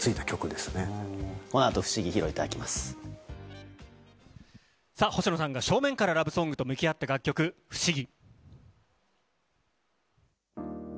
このあと、不思議、さあ、星野さんが正面からラブソングと向き合った楽曲、不思議。